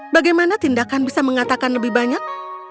bagaimana tindakan bisa mengatakan lebih banyak